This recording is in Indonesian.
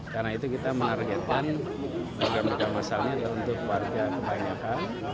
karena itu kita menargetkan program program masalnya untuk warga kebanyakan